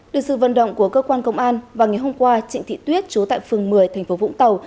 được sự vận động của cơ quan công an vào ngày hôm qua trịnh thị tuyết chú tại phường một mươi thành phố vũng tàu